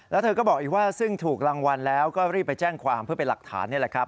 แล้วเธอก็บอกอีกว่าซึ่งถูกรางวัลแล้วก็รีบไปแจ้งความเพื่อเป็นหลักฐานนี่แหละครับ